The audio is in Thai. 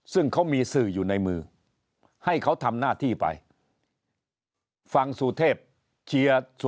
ซึ่งเขามีสื่ออยู่ในมือ